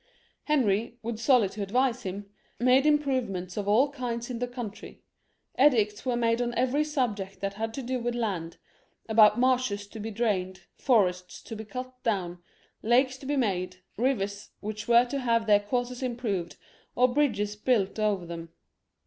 Henry, with Sully to advise him, made improvements of all kinds in the coun try ; edicts were made on every subject that has to do with land ; about marshes to be drained, forests to be cut down, lakes to be made, rivers which were to have their courses improved, or bridges built over them.